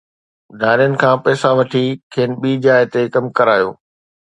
ڌارين کان پئسا وٺي کين ٻي جاءِ تي ڪم ڪرايو